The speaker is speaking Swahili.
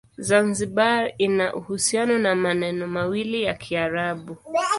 Zanzibar ina uhusiano na maneno mawili ya Kiarabu.